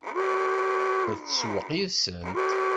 Ad tsewweq yid-sent?